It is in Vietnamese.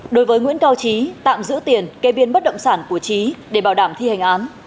đối với nguyễn cao trí tạm giữ tiền kê biên bất động sản của trí để bảo đảm thi hành án